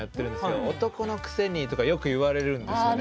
男のくせにとかよく言われるんですよね。